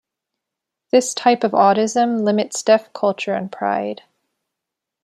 This type of audism limits deaf culture and pride.